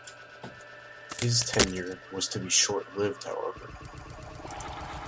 His tenure was to be short-lived, however.